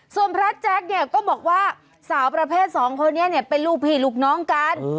ส่วนพระแจ๊คเนี่ยก็บอกว่าสาวประเภทสองคนนี้เนี่ยเป็นลูกพี่ลูกน้องกัน